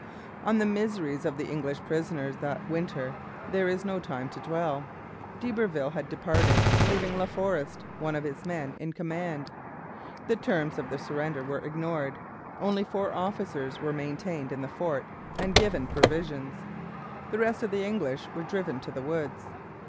On the miseries of the English prisoners that winter there is no time to dwell. D'Iberville had departed, leaving La Forest, one of his men, in command. The terms of the surrender were ignored. Only four officers were maintained in the fort and given provisions. The rest of the English were driven to the woods.